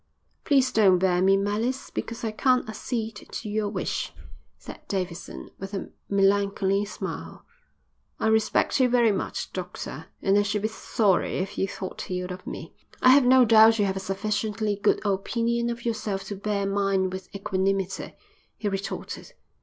"Please don't bear me malice because I can't accede to your wish," said Davidson, with a melancholy smile. "I respect you very much, doctor, and I should be sorry if you thought ill of me." "I have no doubt you have a sufficiently good opinion of yourself to bear mine with equanimity," he retorted.